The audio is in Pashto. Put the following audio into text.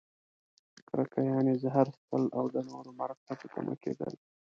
کرکه؛ یعنې زهر څښل او د نورو مرګ ته په تمه کیدل.